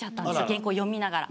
原稿を読みながら。